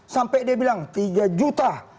sampai dia bilang tiga juta